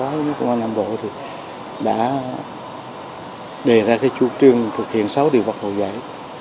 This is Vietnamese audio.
ở miền bắc fourth latitude hydro đã đề ra chú trương thực hiện sáu điều bắt bộ dạy